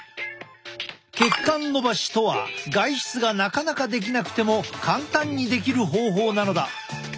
血管のばしとは外出がなかなかできなくても簡単にできる方法なのだ。